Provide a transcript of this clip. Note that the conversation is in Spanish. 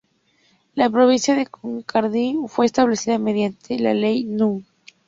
La Provincia de Condorcanqui fue establecida mediante la Ley No.